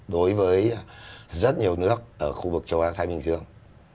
đối với rất nhiều nước ở khu vực châu á thái bình dương